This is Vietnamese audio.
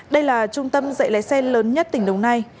đây là trung tâm dạy lái xe lớn nhất tỉnh đồng nai